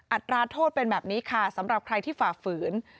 อัตราโทษเป็นแบบนี้ค่ะสำหรับใครที่ฝ่าฝืน